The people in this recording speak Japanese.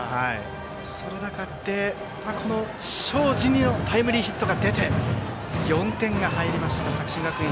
その中で東海林にタイムリーヒットが出て４点が入りました、作新学院。